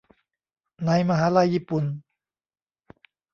ในมหาลัยญี่ปุ่น